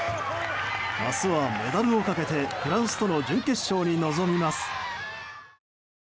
明日はメダルをかけてフランスとの準決勝に臨みます。